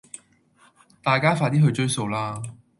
大家快啲去追數啦